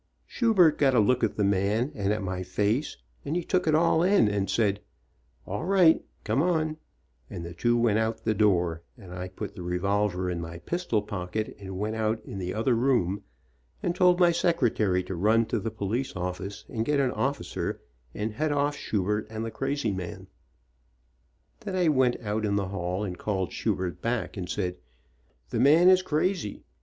Schubert got a look at the man, and at iny WHEN DAD WAS SCARED face, and he took it all in and said, "All right, come on," and the two went out of the door, and I put the revolver in my pistol pocket, and went out in the other room and told my secretary to run to the police office and get an officer and head off Schubert and the crazy man. Then I went out in the hall and called Schubert back and said, "The man is crazy.